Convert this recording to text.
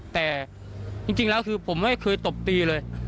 แต่จริงแล้วคือผมไม่เคยตบตีเลย